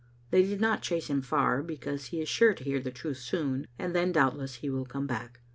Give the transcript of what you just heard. They did not chase him far, because he is sure to hear the truth soon, and then, doubtless, he will come back.